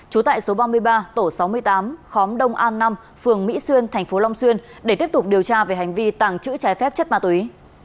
trú tại số ba mươi ba tổ sáu mươi tám khóm đông an năm phường mỹ xuyên tp long xuyên để tiếp tục điều tra về hành vi tàng trữ trái phép chất ma túy